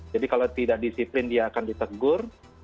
jadi kalau tidak disiplin dia akan ditegur